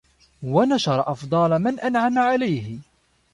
وَنَشَرَ أَفْضَالَ مَنْ أَنْعَمَ عَلَيْهِ